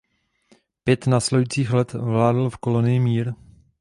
Pět následujících let vládl v kolonii mír.